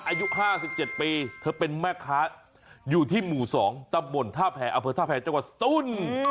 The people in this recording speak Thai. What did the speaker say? อายุ๕๗ปีเธอเป็นแม่ค้าอยู่ที่หมู่๒ตำบลท่าแอร์อำเภอท่าแพรจังหวัดสตูน